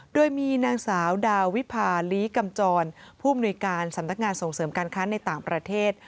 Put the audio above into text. โดยมีนางสาวดาวิพาลีกำจรผู้มนุยการสำนักงานส่งเสริมการค้าในต่างประเทศ